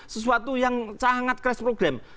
sesuatu yang sangat crash program